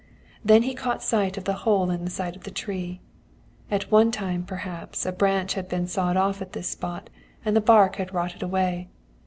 "Then he caught sight of the hole in the side of the tree. At one time, perhaps, a branch had been sawed off at this spot, and the bark had rotted away.